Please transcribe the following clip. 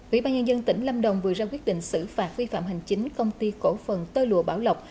ủy ban nhân dân tỉnh lâm đồng vừa ra quyết định xử phạt vi phạm hành chính công ty cổ phần tơ lụa bảo lộc